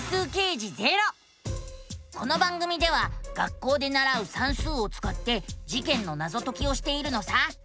この番組では学校でならう「算数」をつかって事件のナゾ解きをしているのさ。